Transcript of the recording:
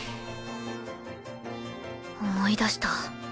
思い出した。